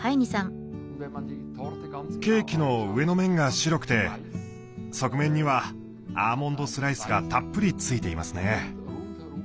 ケーキの上の面が白くて側面にはアーモンドスライスがたっぷりついていますね。